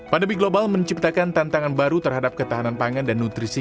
pandemi global menciptakan tantangan baru terhadap ketahanan pangan dan nutrisi